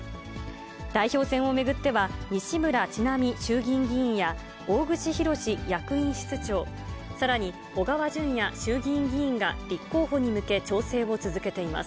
代表選を巡っては、西村智奈美衆議院議員や大串博志役員室長、さらに、小川淳也衆議院議員が立候補に向け、調整を続けています。